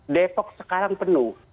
depok sekarang penuh